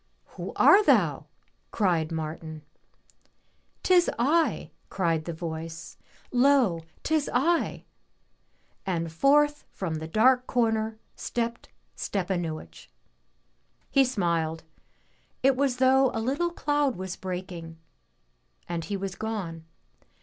'* *'Who are thou?'' cried Martin. " Tis I," cried the voice, " lo, 'tis I !" And forth from the dark comer stepped Stepanuich. He smiled; it was as though a little cloud was breaking and he was gone.